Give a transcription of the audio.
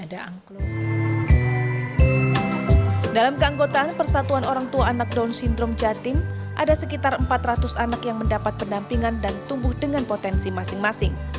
dalam keanggotaan persatuan orang tua anak down syndrome jatim ada sekitar empat ratus anak yang mendapat pendampingan dan tumbuh dengan potensi masing masing